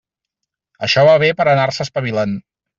Això va bé per anar-se espavilant.